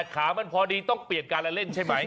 ขามันพอดีต้องเปลี่ยนการละเล่นใช่ไหม